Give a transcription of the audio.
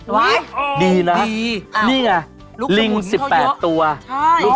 อุ๊ยดีนะนี่ไงลิง๑๘ตัวลูกสมุนเท่ายังเยอะ